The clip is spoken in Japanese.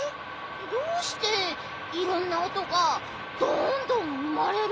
どうしていろんなおとがどんどんうまれるんだろう？